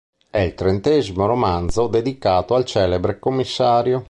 È il trentesimo romanzo dedicato al celebre commissario.